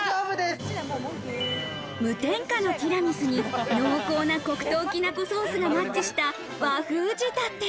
無添加のティラミスに濃厚な黒糖きな粉ソースがマッチした和風仕立て。